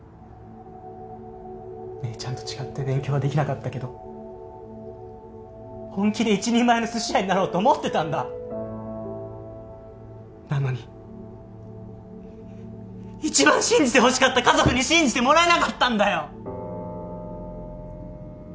姉ちゃんと違って勉強はできなかったけど本気で一人前の寿司屋になろうと思ってたんだなのに一番信じてほしかった家族に信じてもらえなかったんだよ！